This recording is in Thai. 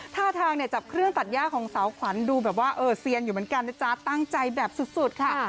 ท่าทางเนี่ยจับเครื่องตัดย่าของสาวขวัญดูแบบว่าเออเซียนอยู่เหมือนกันนะจ๊ะตั้งใจแบบสุดค่ะ